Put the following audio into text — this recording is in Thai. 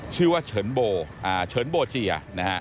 ชื่อว่าเฉินโบเจีย